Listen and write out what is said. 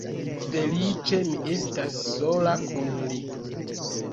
Feliĉe mi estas sola kun li.